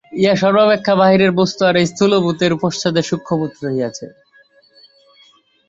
ইহাই সর্বাপেক্ষা বাহিরের বস্তু আর এই স্থূল ভূতের পশ্চাতে সূক্ষ্ম ভূত রহিয়াছে।